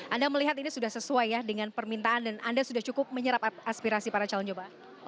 anda melihat ini sudah sesuai ya dengan permintaan dan anda sudah cukup menyerap aspirasi para calon coba